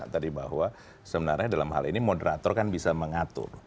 tadi bahwa sebenarnya dalam hal ini moderator kan bisa mengatur